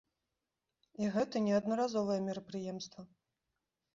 І гэта не аднаразовае мерапрыемства.